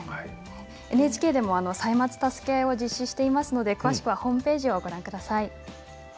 ＮＨＫでも歳末たすけあいを実施していますので詳しくはホームページをご覧ください。